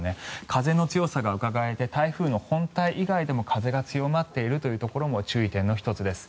風の強さがうかがえて台風の本体以外でも風が強まっているところも注意点の１つです。